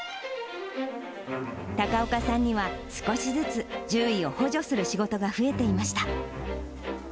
高岡さんには、少しずつ、獣医を補助する仕事も増えていました。